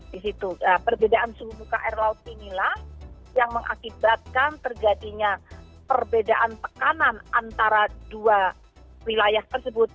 di situ perbedaan suhu muka air laut inilah yang mengakibatkan terjadinya perbedaan tekanan antara dua wilayah tersebut